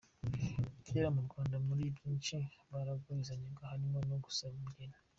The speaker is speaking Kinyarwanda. Kera mu Rwanda muri byinshi baragurizaga harimo no gusaba umugeni.